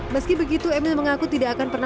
meski begitu emil mengaku tidak akan pernah